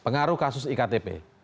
pengaruh kasus iktp